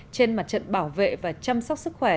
trên mặt trận bảo vệ và chăm sóc sức khỏe